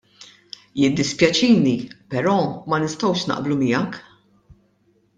Jiddispjaċini però ma nistgħux naqblu miegħek.